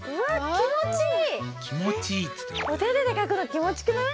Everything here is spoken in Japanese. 気持ちいい！